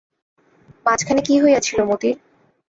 মাঝখানে কী হইয়াছিল মতির?